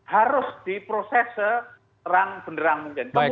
harus diproses serang penderang mungkin